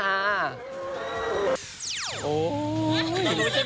เรารู้ใช่ไหมเรารู้ใช่ไหม